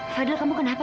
fadil kamu kenapa